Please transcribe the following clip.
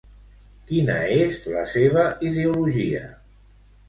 Quina és la seva ideologia?